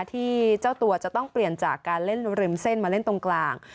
ที่เจ้าตัวจะต้องเปลี่ยนจากการเล่นริมเส้นมาเล่นตรงกลาง